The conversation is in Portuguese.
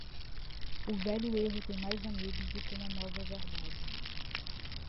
O velho erro tem mais amigos do que uma nova verdade.